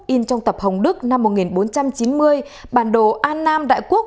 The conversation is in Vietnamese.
in trong tập hồng đức năm một nghìn bốn trăm chín mươi bản đồ an nam đại quốc